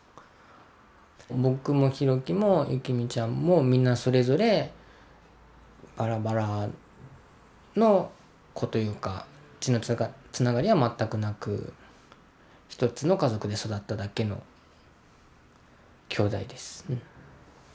僕もヒロキもユキミちゃんもみんなそれぞれバラバラの子というか血のつながりは全くなく一つの家族で育っただけのきょうだいです。